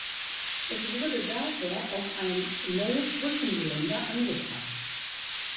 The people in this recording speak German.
Es wurde daher auch ein neues Brückengeländer angebracht.